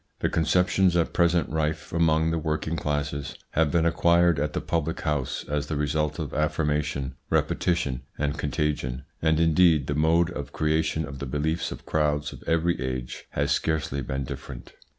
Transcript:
The conceptions at present rife among the working classes have been acquired at the public house as the result of affirmation, repetition, and contagion, and indeed the mode of creation of the beliefs of crowds of every age has scarcely been different.